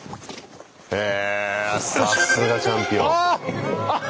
へさすがチャンピオン。